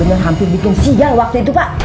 bener bener hampir bikin siang waktu itu pak